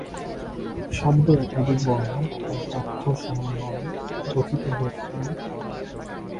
শব্দ একাধিক বর্ণ ও অক্ষর সমন্বয়ে গঠিত হয়ে থাকে।